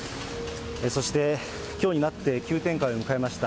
そして、きょうになって急展開を迎えました。